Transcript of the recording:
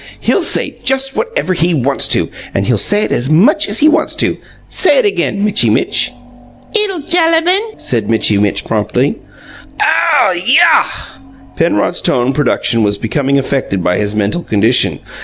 "He'll say just whatever he wants to, and he'll say it just as MUCH as he wants to. Say it again, Mitchy Mitch!" "'Ittle gellamun!" said Mitchy Mitch promptly. "Ow YAH!" Penrod's tone production was becoming affected by his mental condition.